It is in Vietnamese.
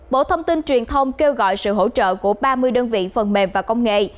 bộ thông tin truyền thông kêu gọi sự hỗ trợ của ba mươi đơn vị phần mềm và công nghệ